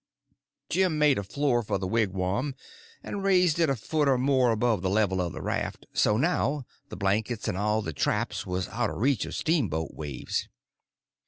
Jim made a floor for the wigwam, and raised it a foot or more above the level of the raft, so now the blankets and all the traps was out of reach of steamboat waves.